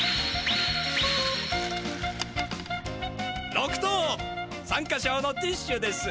六等参加賞のティッシュです。